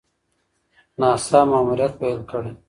ناسا ماموریت پیل کړی.